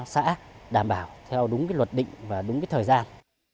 sẽ đảm bảo theo đúng cái luật định và đúng cái thời gian